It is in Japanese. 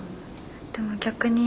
でも逆に